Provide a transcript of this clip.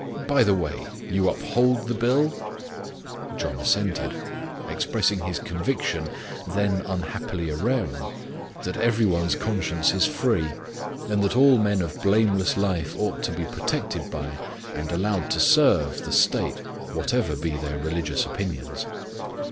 By the by, you uphold the Bill?" John assented; expressing his conviction, then unhappily a rare one, that every one's conscience is free; and that all men of blameless life ought to be protected by, and allowed to serve, the state, whatever be their religious opinions.